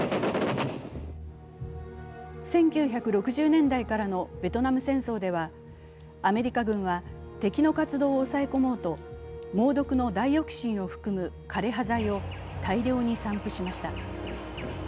１９６０年代からのベトナム戦争ではアメリカ軍は敵の活動を抑え込もうと猛毒のダイオキシンを含む枯葉剤を大量に散布しました。